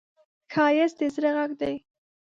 ښایست د زړه غږ دی